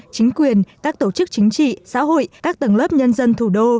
chính quyền các tổ chức chính trị xã hội các tầng lớp nhân dân thủ đô